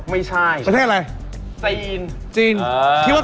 ไม่ใช่